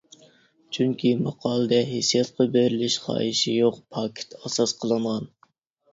چۈنكى ماقالىدە ھېسسىياتقا بېرىلىش خاھىشى يوق، پاكىت ئاساس قىلىنغان.